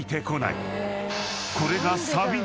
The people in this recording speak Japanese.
［これが］